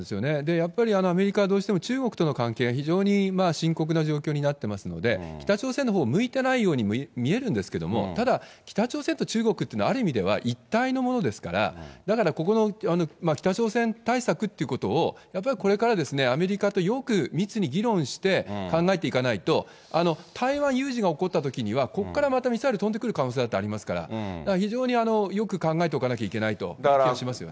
やっぱりアメリカはどうしても中国との関係が非常に深刻な状況になってますので、北朝鮮のほうを向いてないように見えるんですけれども、ただ北朝鮮と中国っていうのは、ある意味では、一体のものですから、だから、ここの北朝鮮対策ということを、やっぱりこれから、アメリカとよく密に議論して考えていかないと、台湾有事が起こったときには、ここからまたミサイル飛んでくる可能性ありますから、だから、非常によく考えておかなきゃいけないという感じがしますよね。